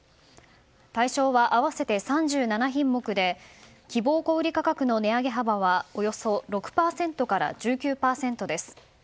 対象は合わせて３７品目で希望小売価格の値上げ幅はおよそ６％から１９％です。